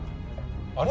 あれ？